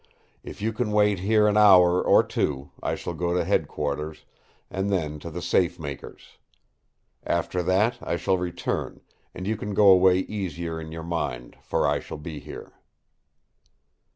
If you can wait here an hour or two I shall go to headquarters, and then to the safe makers. After that I shall return; and you can go away easier in your mind, for I shall be here."